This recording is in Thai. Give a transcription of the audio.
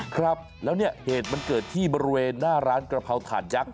ครับแล้วเนี่ยเหตุมันเกิดที่บริเวณหน้าร้านกระเพราถาดยักษ